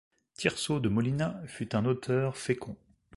Tirso de Molina fut un auteur fécond.